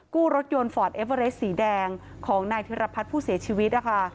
รถยนต์ฟอร์ดเอเวอเรสสีแดงของนายธิรพัฒน์ผู้เสียชีวิตนะคะ